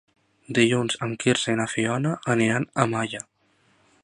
Dilluns en Quirze i na Fiona aniran a Malla.